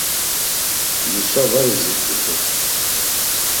Musa var izirt̆u soti.